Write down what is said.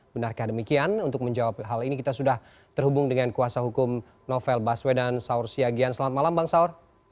benarkah demikian untuk menjawab hal ini kita sudah terhubung dengan kuasa hukum novel baswedan saur siagian selamat malam bang saur